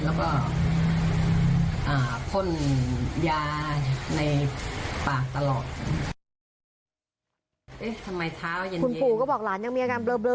แล้วก็อ่าพ่นยาในปากตลอดเอ๊ะทำไมเท้าเย็นเย็นคุณผู้ก็บอกหลานยังมีอาการเบลอเบลอ